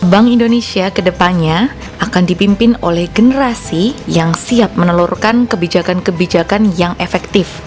bank indonesia kedepannya akan dipimpin oleh generasi yang siap menelurkan kebijakan kebijakan yang efektif